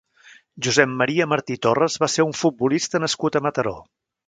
Josep Maria Martí Torres va ser un futbolista nascut a Mataró.